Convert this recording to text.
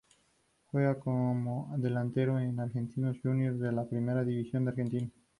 Juega como delantero en Argentinos Juniors de la Primera División de Argentina.